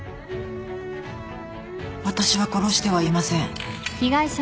私は殺してはいません。